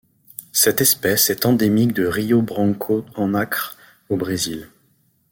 Cette espèce est endémique de Rio Branco en Acre au Brésil.